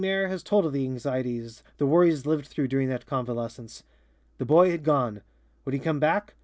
Father Guynemer has told of the anxieties, the worries lived through during that convalescence. The boy had gone. Would he come back?